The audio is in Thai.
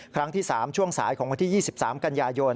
ครั้งที่๓ช่วงสายของวันที่๒๓กันยายน